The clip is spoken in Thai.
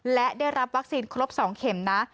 และได้รับวัคซีนครบ๒เข็มนะ